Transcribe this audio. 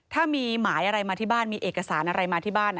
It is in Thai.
ถ้ามีหมายอะไรมาที่บ้านมีเอกสารอะไรมาที่บ้าน